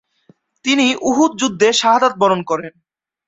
তিনি উহুদ যুদ্ধে শাহাদাত বরণ করে।